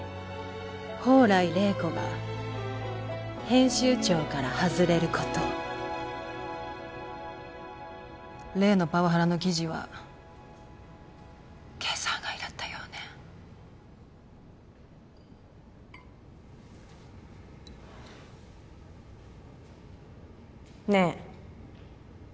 宝来麗子が編集長から外れること例のパワハラの記事は計算外だったようねねえ